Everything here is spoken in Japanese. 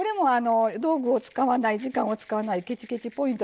道具を使わない、時間を使わないケチケチ・ポイント。